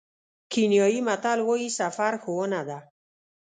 کینیايي متل وایي سفر ښوونه ده.